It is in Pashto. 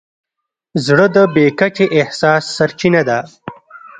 زړه د بې کچې احساس سرچینه ده.